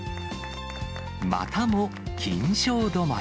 またも金賞止まり。